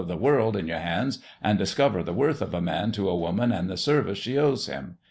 GINGERBREAD 183 world in your hands an' discover the worth of a man to a woman an' the service she owes him.